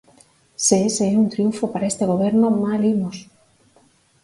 ¡Se ese é un triunfo para este goberno, mal imos!